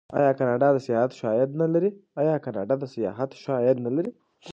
آیا کاناډا د سیاحت ښه عاید نلري؟